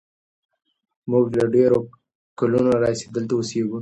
موږ له ډېرو کلونو راهیسې دلته اوسېږو.